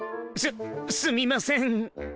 すすみません。